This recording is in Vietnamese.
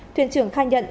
thuyền trưởng khai nhận